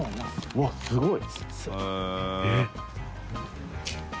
うわっすごい。